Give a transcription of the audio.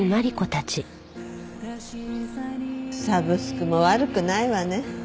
サブスクも悪くないわね。